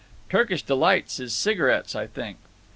"'Turkish Delights' is cigarettes, I think."